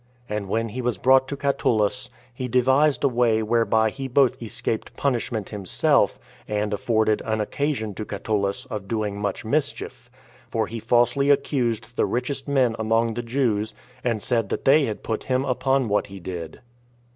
And when he was brought to Catullus, he devised a way whereby he both escaped punishment himself, and afforded an occasion to Catullus of doing much mischief; for he falsely accused the richest men among the Jews, and said that they had put him upon what he did.